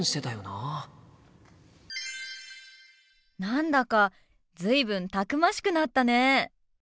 何だか随分たくましくなったね。